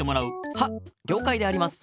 はっりょうかいであります。